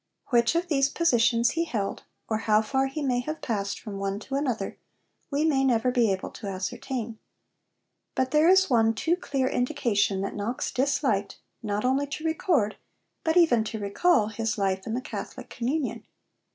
Which of these positions he held, or how far he may have passed from one to another, we may never be able to ascertain. But there is one too clear indication that Knox disliked, not only to record, but even to recal, his life in the Catholic communion.